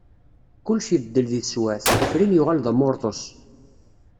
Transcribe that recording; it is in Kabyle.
Kulec ibeddel di tesweԑt, ufrin yuγal d amurḍus.